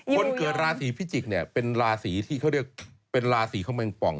คนเกิดราศีพิจิกเนี่ยเป็นราศีที่เขาเรียกเป็นราศีของแมงป่อง